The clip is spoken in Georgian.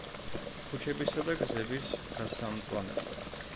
ქუჩებისა და გზების გასამწვანებლად.